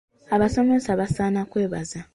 Abasomesa basaana kwebaza.